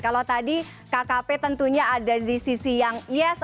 kalau tadi kkp tentunya ada di sisi yang yes